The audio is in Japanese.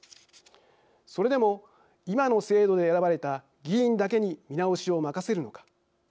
それでも今の制度で選ばれた議員だけに見直しを任せるのか。